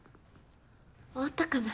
終わったかな？